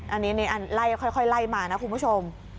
อันนี้ไล่ค่อยไล่มานะคุณผู้ชม